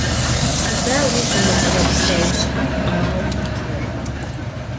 Sıda vugu rihre pseuşshem ş'uağeu khıtrer?